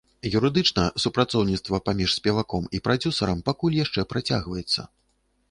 Юрыдычна супрацоўніцтва паміж спеваком і прадзюсарам пакуль яшчэ працягваецца.